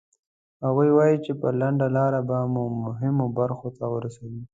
هغوی وایي چې په لنډه لاره به مو مهمو برخو ته ورسوي.